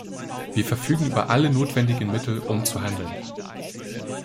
Wir verfügen über alle notwendigen Mittel, um handeln.